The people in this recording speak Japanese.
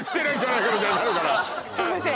すいません